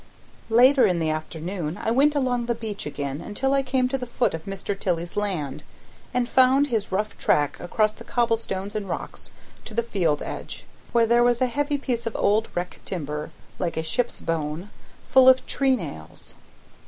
Later in the afternoon I went along the beach again until I came to the foot of Mr. Tilley's land, and found his rough track across the cobblestones and rocks to the field edge, where there was a heavy piece of old wreck timber, like a ship's bone, full of tree nails.